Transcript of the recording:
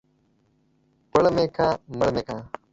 پړ مې که ، مړ مې که.